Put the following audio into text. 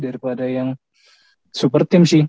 daripada yang super team sih